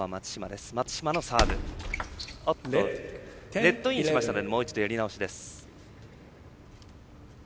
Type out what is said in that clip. ネットインしましたのでもう一度、やり直しです。